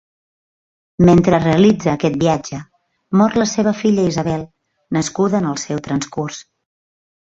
Mentre realitza aquest viatge, mor la seva filla Isabel, nascuda en el seu transcurs.